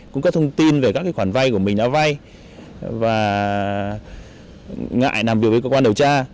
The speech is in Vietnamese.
cung cấp thông tin về các khoản vay của mình đã vay và ngại làm việc với cơ quan điều tra